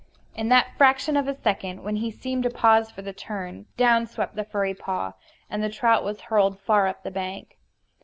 In that fraction of a second when he seemed to pause for the turn, down swept the furry paw; and the trout was hurled far up the bank.